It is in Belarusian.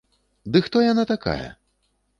Ды хто яна такая?!